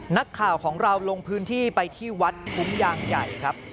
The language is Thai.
นักข่าวของเราลงพื้นที่ไปที่วัดคุ้มยางใหญ่ครับ